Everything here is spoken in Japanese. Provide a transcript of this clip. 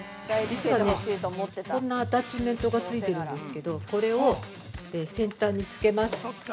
実は、こんなアタッチメントがついてるんですけど、これを先端につけます。